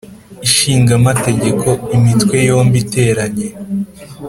Ishinga Amategeko, Imitwe yombi iteranye,